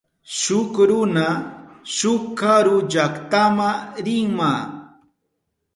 Shuk runa shuk karu llaktama rinma.